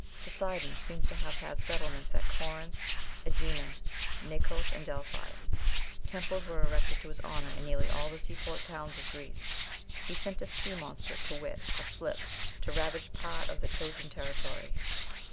Poseidon seems to have had settlements at Corinth, Ægina, Naxos, and Delphi. Temples were erected to his honor in nearly all the seaport towns of Greece. He sent a sea monster, to wit, a slip, to ravage part of the Trojan territory.